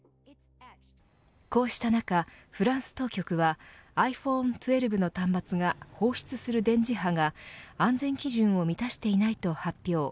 こうした中、フランス当局はｉＰｈｏｎｅ１２の端末が放出する電磁波が安全基準を満たしていないと発表。